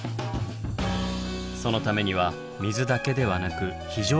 そのためには水だけではなく非常電源も確保。